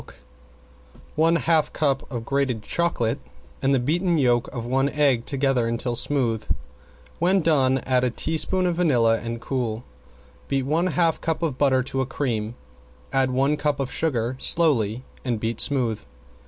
~CHOCOLATE CAKE~ Cook one cup of sugar, one half cup of milk, one cup of grated chocolate and the beaten yolk of one egg together until smooth. When done add a teaspoon of vanilla and cool. Beat one half cup of butter to a cream, add one cup of sugar slowly and beat smooth.